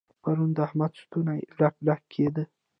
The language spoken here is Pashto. پرون د احمد ستونی ډک ډک کېد.